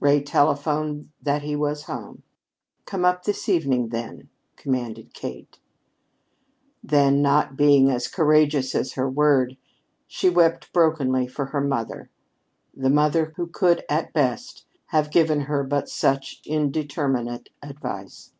Ray telephoned that he was home. "Come up this evening, then," commanded Kate. Then, not being as courageous as her word, she wept brokenly for her mother the mother who could, at best, have given her but such indeterminate advice.